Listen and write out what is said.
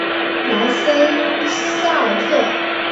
莱瑟萨尔特。